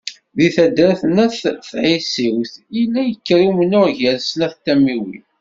Di taddart n Ayt Tɛisiwt yella yekker umennuɣ gar snat n tamiwin.